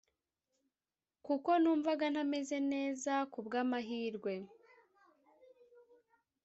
kuko numvaga ntameze neza Ku bw’amahirwe,